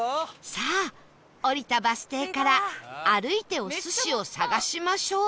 さあ降りたバス停から歩いてお寿司を探しましょう